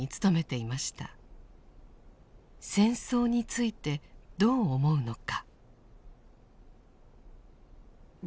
戦争についてどう思うのか。